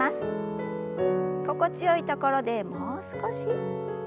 心地よいところでもう少し。